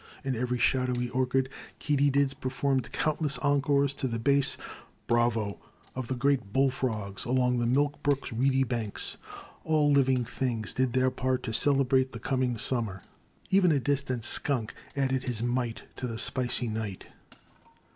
In every shadowy orchard Katydids performed countless encores to the bass bravos !" of the great bull frogs along the mill brook's reedy banks. All living things did their part to cde 28o Tfie Crime, brate the coming Summer, even a distant skunk added his mite to the spicy night.